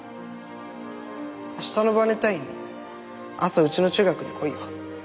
明日のバレンタイン朝うちの中学に来いよ。